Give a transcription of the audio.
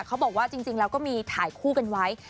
เขาบอกว่าจริงแล้วก็มีถ่ายคู่กันไว้